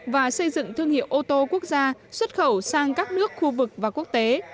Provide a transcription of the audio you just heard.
và xây dựng thương hiệu ô tô quốc gia xuất khẩu sang các nước khu vực và quốc tế